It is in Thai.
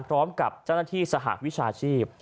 พร้อมกับเจ้าหน้าที่สหวิชาชีพ